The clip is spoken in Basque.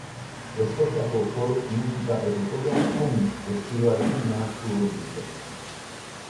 Eskoziako folk musika herrikoia punk estiloarekin nahastu ohi dute.